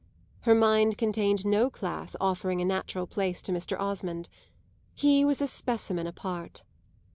Her mind contained no class offering a natural place to Mr. Osmond he was a specimen apart.